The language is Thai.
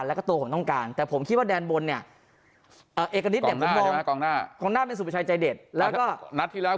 มากนอนแค่ไหนยังไงบ้างครับ